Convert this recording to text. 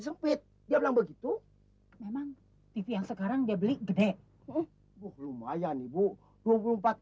sempit dia bilang begitu memang tv yang sekarang dia beli gede lumayan ibu dua puluh empat